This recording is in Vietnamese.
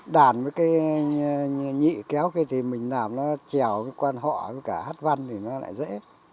đàn với cái nhị kéo kia thì mình làm nó trèo cái quan họ với cả hát văn thì nó lại dễ